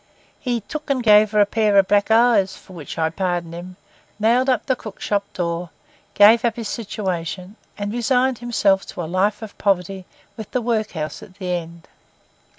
He 'took and gave her a pair o' black eyes,' for which I pardon him, nailed up the cook shop door, gave up his situation, and resigned himself to a life of poverty, with the workhouse at the end.